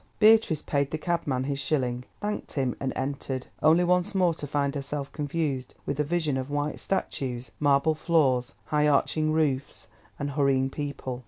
Beatrice paid the cabman his shilling, thanked him, and entered, only once more to find herself confused with a vision of white statues, marble floors, high arching roofs, and hurrying people.